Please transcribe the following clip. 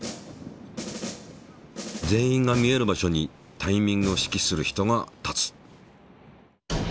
全員が見える場所にタイミングを指揮する人が立つ。